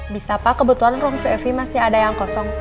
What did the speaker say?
bisa pak kebetulan ruang vip masih ada yang kosong